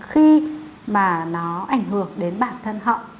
khi mà nó ảnh hưởng đến bản thân họ